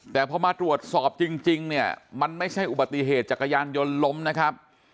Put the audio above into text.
แต่พอมาตรวจสอบจริงเนี่ยมันไม่ใช่อุบัติเหตุจักรยานยนต์ล้มนะครับ